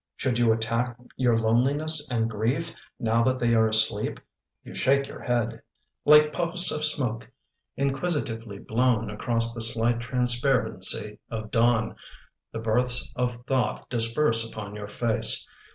Should you attack your loneliness and grief Now that they are asleep? You shake your head. Ill CHILD JL/IKE puffs of smoke inquisitively blown Across the slight transparency of dawn, The births of thought disperse upon your face.